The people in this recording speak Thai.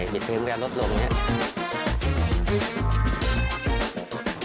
เบ็ดมือเวลาลดลงอย่างนี้